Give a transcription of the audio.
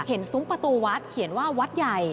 เห็นสุงประตูวัดเขียนว่าวัดใหญ่